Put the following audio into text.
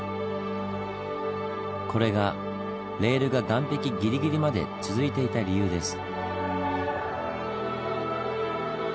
これがレールが岸壁ギリギリまで続いていた理由です。